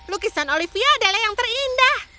lukisan olivia adalah yang terindah